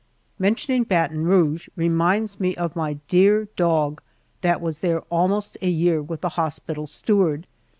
Mentioning Baton Rouge reminds me of my dear dog that was there almost a year with the hospital steward.